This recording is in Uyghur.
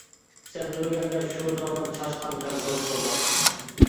سەن ئۆلگەندە شۇ زامان، چاشقان بىلەن دوست بولماقچى.